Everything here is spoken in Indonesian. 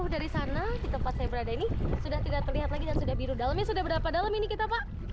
dan sudah biru dalamnya sudah berapa dalam ini kita pak